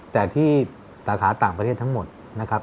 แต่ที่สาขาต่างประเทศทั้งหมดนะครับ